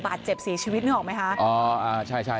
บาดเจ็บสีชีวิตนึกออกไหมคะ